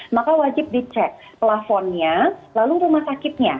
maka wajib dicek plafonnya lalu rumah sakitnya